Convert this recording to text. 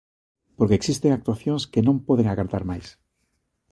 Porque existen actuacións que non poden agardar máis.